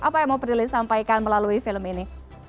apa yang mau prilly sampaikan melalui film ini